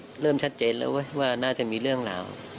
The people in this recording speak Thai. ก็เริ่มชัดเจนแล้วว่าน่าจะมีเรื่องราว